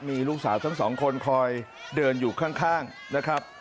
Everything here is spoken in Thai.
มีลูกสาวทั้งสองคนคอยเดินอยู่ข้างนะครับ